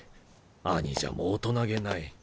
兄者も大人げない。